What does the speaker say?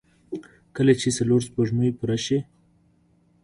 کله چې څلور سپوږمۍ پوره شي.